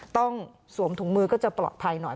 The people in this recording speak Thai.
สวมถุงมือก็จะปลอดภัยหน่อย